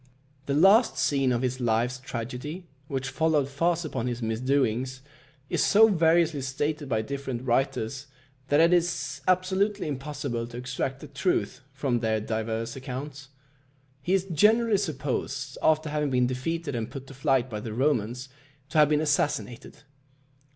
The last scene of his life's tragedy, which followed fast upon his misdoings, is so variously stated by different writers, that it is absolutely impossible to extract the truth from their divers accounts. He is generally supposed, after having been defeated and put to flight by the Romans, to have been assassinated.